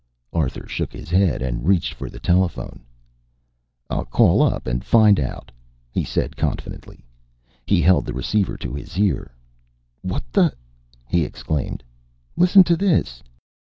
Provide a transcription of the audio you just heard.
Arthur shook his head and reached for the telephone. "I'll call up and find out," he said confidently. He held the receiver to his ear. "What the " he exclaimed. "Listen to this!"